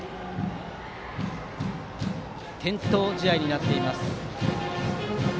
点灯試合になっています。